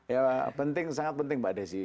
ya penting sangat penting mbak desi